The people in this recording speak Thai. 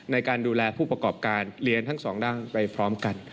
ในการดูแลผู้ประกอบการเรียนทั้งสองด้านไปพร้อมกัน